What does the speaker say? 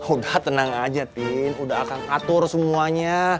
udah tenang aja tin udah akan atur semuanya